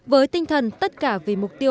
với tinh thần tất cả vì mục tiêu